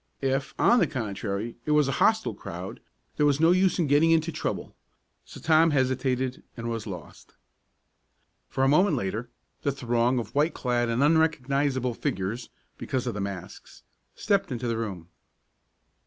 If, on the contrary, it was a hostile crowd there was no use getting into trouble. So Tom hesitated and was lost. For a moment later, the throng of white clad and unrecognizable figures (because of the masks) stepped into the room.